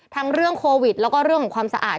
เรื่องโควิดแล้วก็เรื่องของความสะอาด